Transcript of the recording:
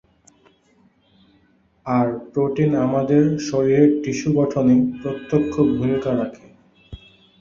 আর protein আমাদের শরীরের tissue গঠনে প্রত্যক্ষ ভূমিকা রাখে।